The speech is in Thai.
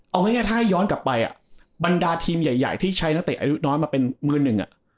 เอาง่ายถ้าย้อนกลับไปบรรดาทีมใหญ่ที่ใช้นักเตะอายุน้อยมาเป็นมือหนึ่ง